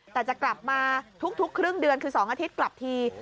แต่จะกลับมาทุกครึ่งเดือนคือ๒อาทิตย์กลับที